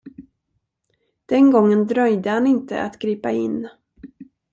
Den gången dröjde han inte att gripa in.